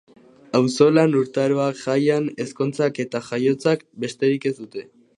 Auzolana, urtaroak, jaiak, ezkontzak eta jaiotzak: besterik ez dute.